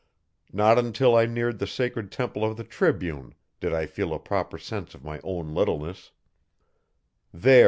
Not until I neared the sacred temple of the Tribune did I feel a proper sense of my own littleness.